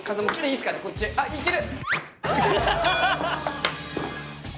いける！